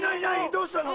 どうしたの？